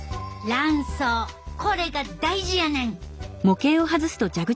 卵巣これが大事やねん！